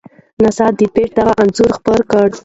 ناسا د پېټټ دغه انځور خپور کړ.